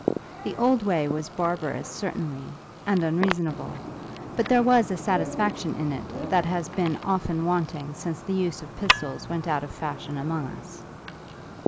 The old way was barbarous certainly, and unreasonable, but there was a satisfaction in it that has been often wanting since the use of pistols went out of fashion among us.